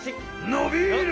のびる！